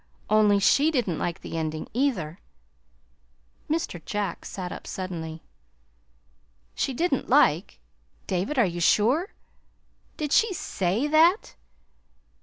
"Only she didn't like the ending, either." Mr. Jack sat up suddenly. "She didn't like David, are you sure? Did she SAY that?"